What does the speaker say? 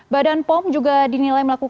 badan pom juga dinilai melakukan